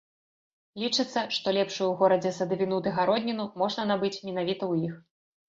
Лічыцца, што лепшую ў горадзе садавіну ды гародніну можна набыць менавіта ў іх.